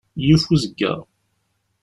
Yif uzeggaɣ.